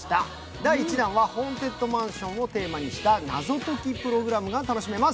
第１弾はホーンテッドマンションをテーマにした謎解きプログラムが楽しめます。